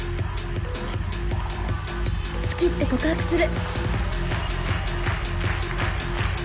好きって告白する